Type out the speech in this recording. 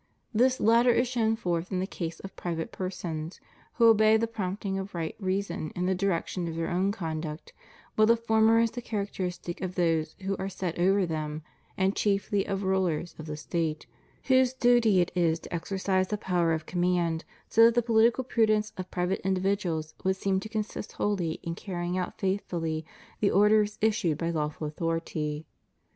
This latter is shown forth in the case of private persons who obey the prompting of right reason in the direction of their own conduct ; while the former is the characteristic of those who are set over others, and chiefly of rulers of the State, whose duty it is to exercise the power of com mand, so that the political prudence of private individuals would seem to consist wholly in carrying out faithfully the orders issued by lawful authority."